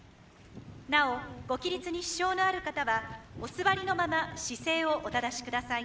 なおご起立に支障のある方はお座りのまま姿勢をお正しください。